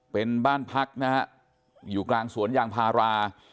เป็นบ้านพักนะฮะอยู่กลางสวนยางพารา